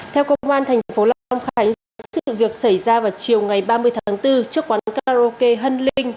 theo công an thành phố long khánh sự việc xảy ra vào chiều ngày ba mươi tháng bốn trước quán karaoke hân linh